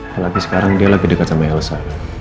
hal lagi sekarang dia lagi dekat sama elsa